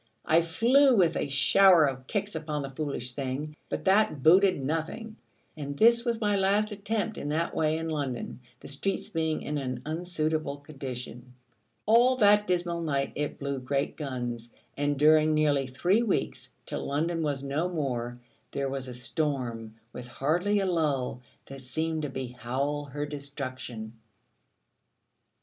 I flew with a shower of kicks upon the foolish thing: but that booted nothing; and this was my last attempt in that way in London, the streets being in an unsuitable condition. All that dismal night it blew great guns: and during nearly three weeks, till London was no more, there was a storm, with hardly a lull, that seemed to behowl her destruction.